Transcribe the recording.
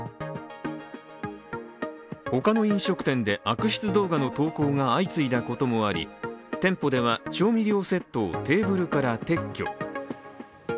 他の飲食店で悪質動画の投稿が相次いでいることもあり店舗では、調味料セットをテーブルから撤去。